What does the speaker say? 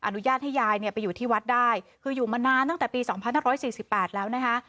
อนุญาตให้ยายเนี่ยไปอยู่ที่วัดได้คืออยู่มานานตั้งแต่ปีสองพันห้าร้อยสี่สิบแปดแล้วนะฮะ